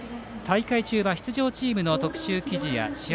大会中は出場チームの特集記事や試合